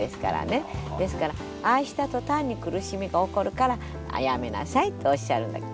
ですから愛した途端に苦しみが起こるからやめなさいとおっしゃるんだけど。